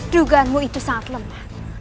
dugaanmu itu sangat lemah